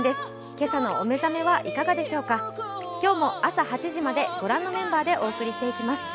今朝のお目覚めいかがでしょうか今日も朝８時までご覧のメンバーでお送りしていきます。